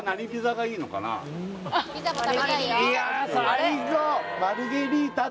いや最高！